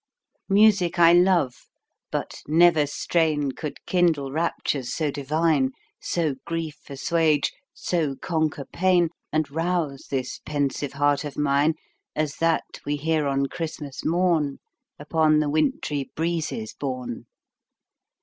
Music I love but never strain Could kindle raptures so divine, So grief assuage, so conquer pain, And rouse this pensive heart of mine As that we hear on Christmas morn, Upon the wintry breezes borne.